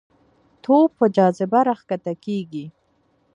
توپ په جاذبه راښکته کېږي.